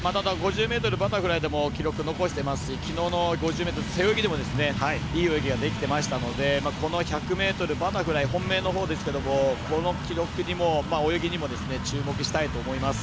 ５０ｍバタフライでも記録残してますしきのうの５０ｍ背泳ぎでもいい泳ぎができてましたのでこの１００ｍバタフライ本命のほうですけどもこの記録、泳ぎにも注目したいと思います。